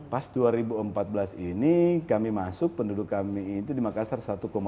pas dua ribu empat belas ini kami masuk penduduk kami itu di makassar satu lima